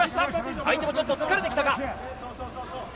相手もちょっと疲れてきたか。